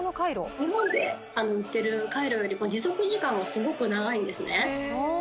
日本で売ってるカイロよりも持続時間がすごく長いんですね